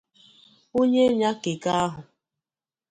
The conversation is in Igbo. onye nya Keke ahụ